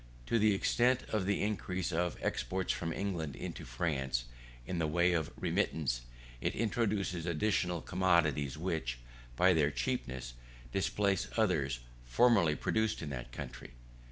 To the extent of the increase of exports from England into France in the way of remittance, it introduces additional commodities which, by their cheapness, displace others formerly produced in that country.